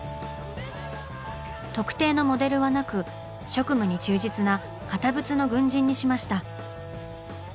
特定のモデルはなく職務に忠実な堅物の軍人にしました。